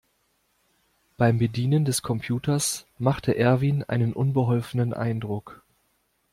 Beim Bedienen des Computers machte Erwin einen unbeholfenen Eindruck.